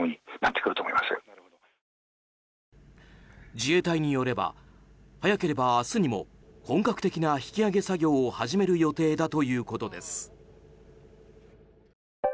自衛隊によれば早ければ明日にも本格的な引き揚げ作業を始める予定だということです。